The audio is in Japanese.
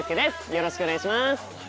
よろしくお願いします。